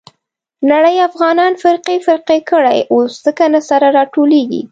نړۍ افغانان فرقې فرقې کړي. اوس ځکه نه سره راټولېږي.